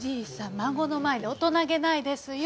孫の前で大人げないですよ。